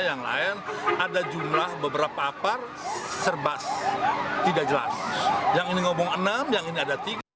yang lain ada jumlah beberapa apar serbas tidak jelas yang ini ngomong enam yang ini ada tiga